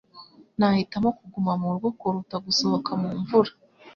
Nahitamo kuguma murugo kuruta gusohoka mu mvura.